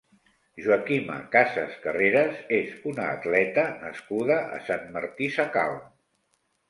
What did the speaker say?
Joaquima Casas Carreras és una atleta nascuda a Sant Martí Sacalm.